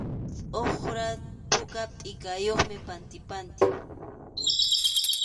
Tʼuqra puka tʼikayuqmi pantipantiqa.